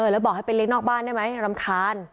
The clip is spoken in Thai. แล้วบอกให้ไปเลี้ยนอกบ้านได้ไหมรำคาญ